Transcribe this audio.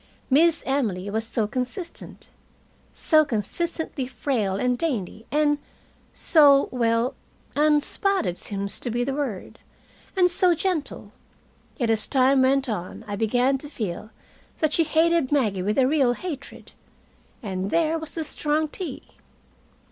Miss Emily was so consistent, so consistently frail and dainty and so well, unspotted seems to be the word and so gentle, yet as time went on I began to feel that she hated Maggie with a real hatred. And there was the strong tea!